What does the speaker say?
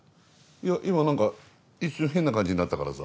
いや今何か一瞬変な感じになったからさ。